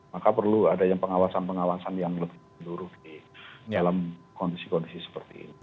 maka perlu ada yang pengawasan pengawasan yang lebih luruh di dalam kondisi kondisi seperti ini